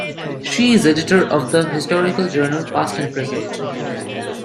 She is editor of the historical journal "Past and Present".